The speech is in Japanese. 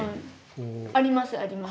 ありますあります。